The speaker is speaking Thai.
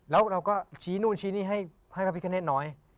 แล้วเราก็ชี้นู่นชี้นี่ให้พระพิกาเนตน้อย